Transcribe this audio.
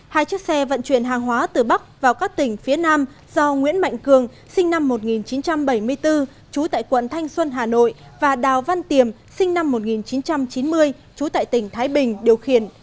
hai chiếc xe vận chuyển hàng hóa từ bắc vào các tỉnh phía nam do nguyễn mạnh cường sinh năm một nghìn chín trăm bảy mươi bốn trú tại quận thanh xuân hà nội và đào văn tiềm sinh năm một nghìn chín trăm chín mươi trú tại tỉnh thái bình điều khiển